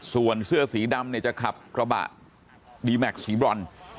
ส่วนเสื้อสีดำเนี่ยจะขับกระบะดีแม็กซ์สีบรอน